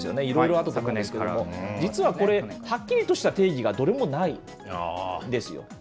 いろいろあったと思うんですけれども、実はこれ、はっきりとした定義が、どれもないんですよ。